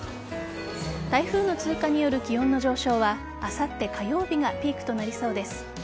台風の通過による気温の上昇はあさって火曜日がピークとなりそうです。